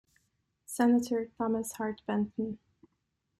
Senator Thomas Hart Benton.